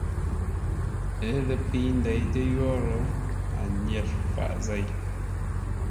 Ə́ lə pəi ndeitə́ yórə́, a nyêr faʼ zêi.